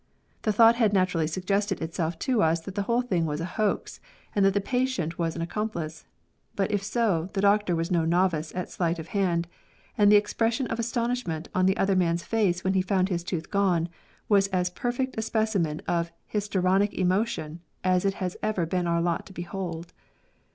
The thought had naturally suggested itself to us that the whole thing was a hoax, and that the patient was an accom plice ; but if so, the doctor was no novice at sleight of hand, and the expression of astonishment on the other man's face when he found his tooth gone, was as per fect a specimen of histrionic emotion as it has ever been our lot to behold.